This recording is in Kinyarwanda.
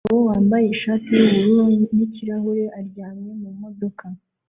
Umugabo wambaye ishati yubururu nikirahure aryamye mumodoka